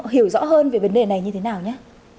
hiểu rõ hơn về vấn đề này như thế nào nhé